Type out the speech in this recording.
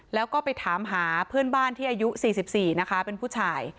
แล้วก็ไปถามหาเพื่อนบ้านที่อายุ๔๔นะคะเป็นผู้ชาย